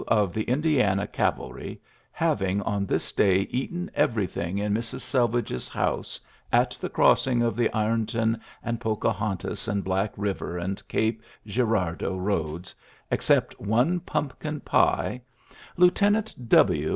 of the Indiana Cavalry, having on this day eaten everything in Mrs. Selvidge's house, at the crossing of the Ironton and Pocahontas and Black Eiver and Gape Girardeau roads, except one pumpkin pie, Lieutenant "W.